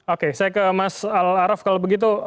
oke saya ke mas al araf kalau begitu